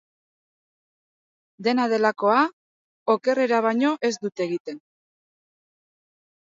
Dena delakoa, okerrera baino ez dut egiten.